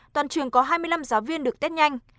toàn trường có hai mươi năm giáo viên được test nhanh